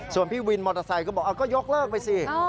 ส่วนพี่วินมอเตอร์ไซค์ก็บอกก็ยกเลิกไปสิ